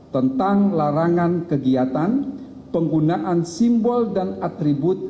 tentang larangan kegiatan penggunaan simbol dan atribut